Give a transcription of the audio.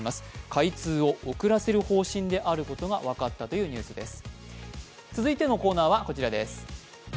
開通を遅らせる方針であることが分かったというニュースです。